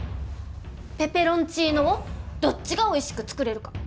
ペペロンチーノをどっちがおいしく作れるか。